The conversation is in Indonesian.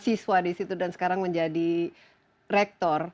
jadi mahasiswa di situ dan sekarang menjadi rektor